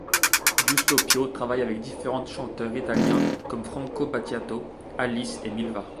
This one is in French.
Giusto Pio travaille avec différents chanteurs italiens comme Franco Battiato, Alice et Milva.